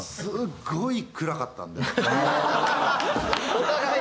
お互い？